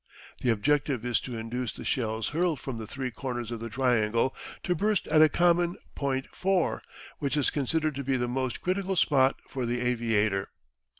The objective is to induce the shells hurled from the three corners of the triangle to burst at a common point 4, which is considered to be the most critical spot for the aviator.